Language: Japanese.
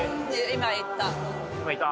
今行った？